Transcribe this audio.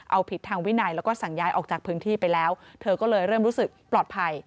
เอาผิดทางวินัยแล้วก็สั่งย้ายออกจากพื้นที่ไปแล้วเธอก็เลยเริ่มรู้สึกปลอดภัย